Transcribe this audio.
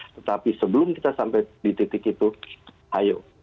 tetapi sebelum kita sampai di titik itu ayo